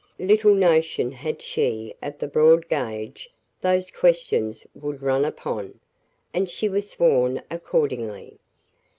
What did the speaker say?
Little notion had she of the broad gauge those questions would run upon. And she was sworn accordingly.